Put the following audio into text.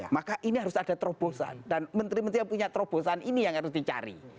maka ini harus ada terobosan dan menteri menteri yang punya terobosan ini yang harus dicari